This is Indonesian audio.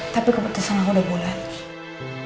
tapi keputusan aku udah bulat